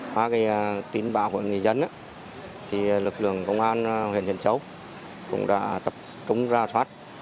qua tin báo của người dân lực lượng công an huyện diễn châu cũng đã tập trung ra soát